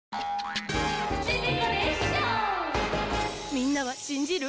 みんなはしんじる？